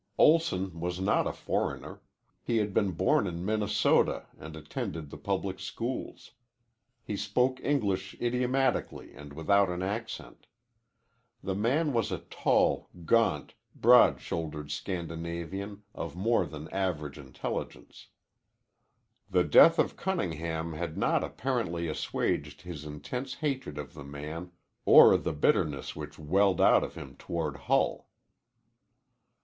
Olson was not a foreigner. He had been born in Minnesota and attended the public schools. He spoke English idiomatically and without an accent. The man was a tall, gaunt, broad shouldered Scandinavian of more than average intelligence. The death of Cunningham had not apparently assuaged his intense hatred of the man or the bitterness which welled out of him toward Hull.